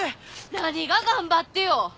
何が頑張ってよ？